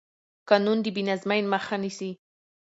قانون د بې نظمۍ مخه نیسي